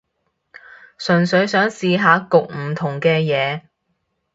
純粹想試下焗唔同嘅嘢